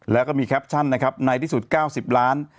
แล้วก็มีแคปชั่นในที่สุด๙๐ล้าน